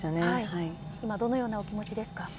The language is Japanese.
今どのようなお気持ちですか。